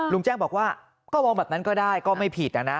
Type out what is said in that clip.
ลุงแจ้งบอกว่าก็มองแบบนั้นก็ได้ก็ไม่ผิดนะนะ